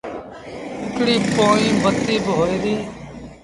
هڪڙي پوئيٚن بتيٚ با هوئي دي